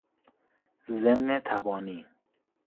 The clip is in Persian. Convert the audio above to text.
ضمن تبانی